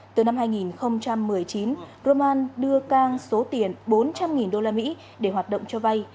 từ năm hai nghìn một mươi chín roman đưa cang số tiền bốn trăm linh usd để hoạt động cho vay